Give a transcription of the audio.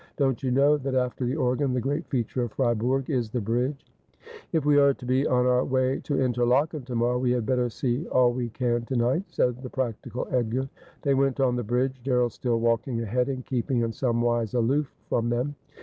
Don't you know that after the organ the great feature of Fribourg is the bridge ?'' If we are to be on our way to Interlaken to morrow, we had better see all we can to night,' said the practical Edgar. They went on the bridge ; Gerald still walking ahead, and keeping in some wise aloof from them.